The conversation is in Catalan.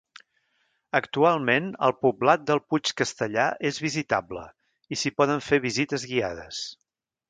Actualment, el poblat del Puig Castellar és visitable i s'hi poden fer visites guiades.